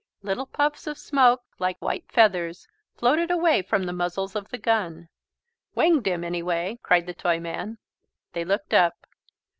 Little puffs of smoke like white feathers floated away from the muzzles of the gun. "Winged him, anyway!" cried the Toyman. They looked up.